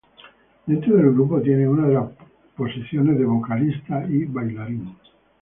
Dentro del grupo tiene una de las posiciones de vocalista y bailarín.